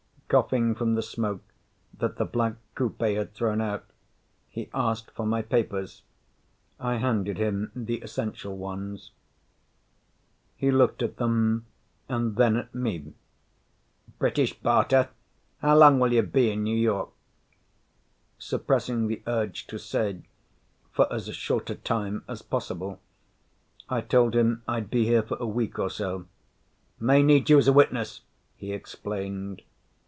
Coughing from the smoke that the black coupe had thrown out, he asked for my papers. I handed him the essential ones. He looked at them and then at me. "British Barter? How long will you be in New York?" Suppressing the urge to say, "For as short a time as possible," I told him I'd be here for a week or so. "May need you as a witness," he explained.